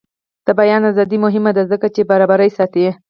د بیان ازادي مهمه ده ځکه چې برابري ساتي.